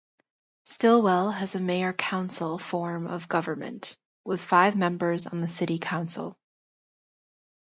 Stilwell has a mayor-council form of government, with five members on the city council.